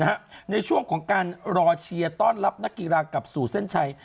แล้วก็เป็นช่วงการรอเชียร์ต้อนรับนักกีฬากับศูนย์เส้นชัย